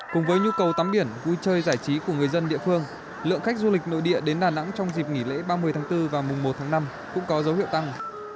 cùng với nhu cầu tắm biển vui chơi giải trí của người dân địa phương lượng khách du lịch nội địa đến đà nẵng trong dịp nghỉ lễ ba mươi tháng bốn và mùa một tháng năm cũng có dấu hiệu tăng